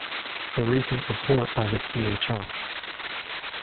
The recent report by the Chr.